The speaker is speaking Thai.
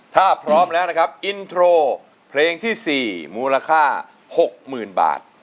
ถ้าพร้อมแล้วนะครับอินโทรเพลงที่๔มูลค่า๖๐๐๐บาท